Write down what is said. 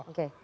gak tau nih